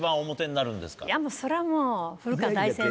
それはもう古川大先生。